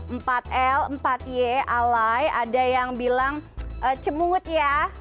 empat l empat y alai ada yang bilang cemut ya